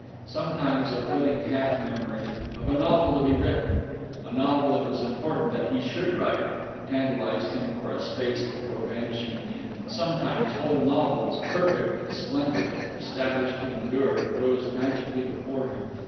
Sometimes a flitting half memory, of a novel to be written, a novel it was important that he should write, tantalised him for a space before vanishing again; and sometimes whole novels, perfect, splendid, established to endure, rose magically before him.